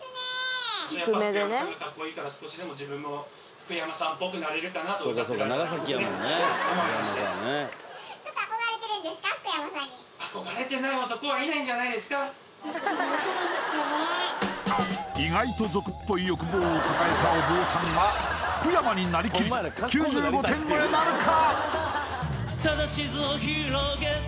少しでもハハハハ思いまして意外と俗っぽい欲望を抱えたお坊さんが福山になりきり９５点超えなるか！？